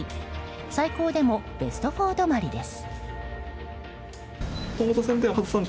最高でもベスト４止まりです。